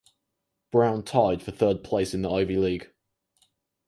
Brown tied for third place in the Ivy League.